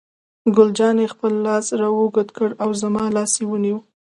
ګل جانې خپل لاس را اوږد کړ او زما لاس یې ونیو.